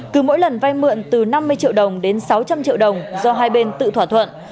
cứ mỗi lần vay mượn từ năm mươi triệu đồng đến sáu trăm linh triệu đồng do hai bên tự thỏa thuận